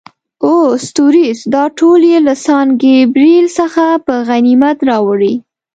اووه ستوریز، دا ټول یې له سان ګبرېل څخه په غنیمت راوړي.